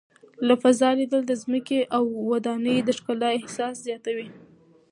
له فضا لیدل د ځمکې او ودانیو د ښکلا احساس زیاتوي.